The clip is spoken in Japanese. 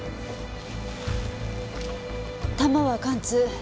弾は貫通。